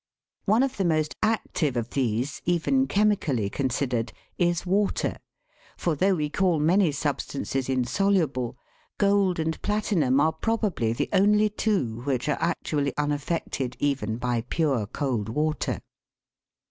One of the most active of these, even chemically considered, is water, for though we call many substances insoluble, gold and platinum are probably the only two which are actually unaffected even by pure cold water.